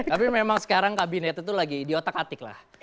tapi memang sekarang kabinet itu lagi di otak atik lah